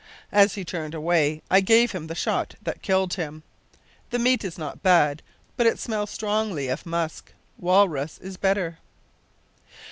As he turned away I gave him the shot that killed him. The meat is not bad, but it smells strongly of musk. Walrus is better.